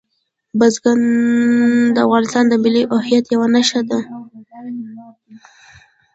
بزګان د افغانستان د ملي هویت یوه نښه ده.